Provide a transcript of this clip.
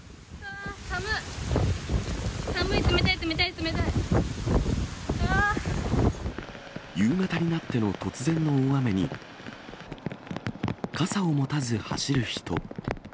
さむっ、寒い、冷たい、夕方になっての突然の大雨に、傘を持たず走る人。